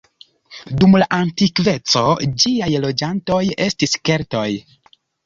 Dum la antikveco ĝiaj loĝantoj estis Keltoj.